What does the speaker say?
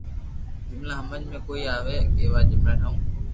جملا ھمج مي ڪوئي َوي ڪيوا جمللا ٺاو